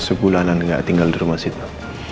sebulanan nggak tinggal di rumah situ